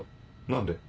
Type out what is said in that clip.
何で？